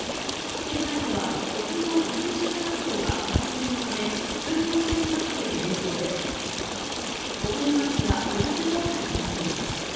県内では国道１１３号が冠水のため通行止めとなっている影響で小国町が孤立状態となっています。